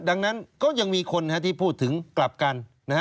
ดังนั้นก็ยังมีคนที่พูดถึงกลับกัน